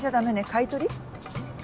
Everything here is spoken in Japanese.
買い取り。